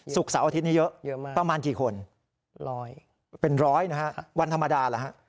เสาร์อาทิตย์นี้เยอะมากประมาณกี่คนร้อยเป็นร้อยนะฮะวันธรรมดาเหรอฮะ